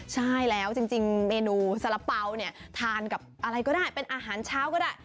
ใช่แล้วจริงเมนูสาระเป๋าเนี่ยทานกับอะไรก็ได้เป็นอาหารเช้าก็ได้